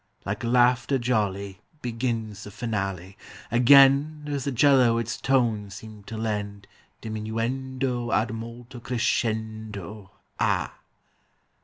Like laughter jolly Begins the finale; Again does the 'cello its tones seem to lend Diminuendo ad molto crescendo. Ah!